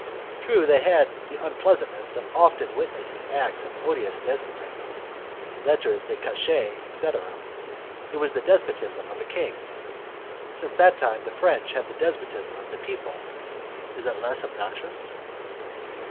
True, they had the unpleasantness of often witnessing acts of odious despotism, 'lettres de cachet', etc.; it was the despotism of a king. Since that time the French have the despotism of the people. Is it less obnoxious?